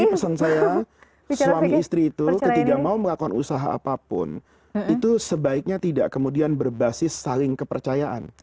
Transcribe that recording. jadi pesan saya suami istri itu ketika mau melakukan usaha apapun itu sebaiknya tidak kemudian berbasis saling kepercayaan